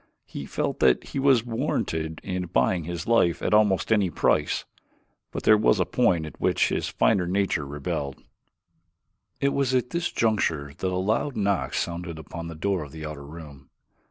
He felt that he was warranted in buying his life at almost any price; but there was a point at which his finer nature rebelled. It was at this juncture that a loud knock sounded upon the door of the outer room.